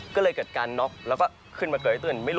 ภายในอุตถึง